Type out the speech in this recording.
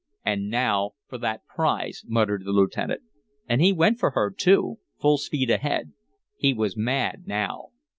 "And now for that prize!" muttered the lieutenant. And he went for her, too, full speed ahead. He was mad now.